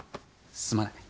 すまない。